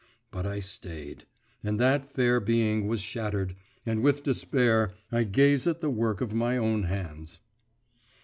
But I stayed, and that fair being was shattered, and with despair I gaze at the work of my own hands.